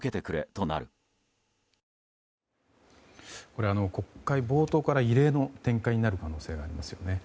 これは、国会冒頭から異例の展開になる可能性がありますよね。